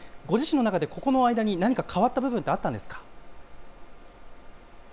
ご自身の中でここの間に何か変わった部分ってあったんですか？